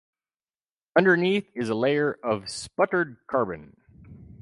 Underneath is a layer of sputtered carbon.